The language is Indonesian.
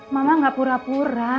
mama gak pura pura